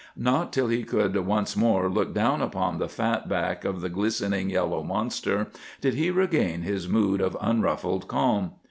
Not till he could once more look down upon the fat back of the glistening yellow monster did he regain his mood of unruffled calm.